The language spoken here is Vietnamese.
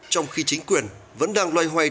trong khi chính quyền vẫn đang loay hoay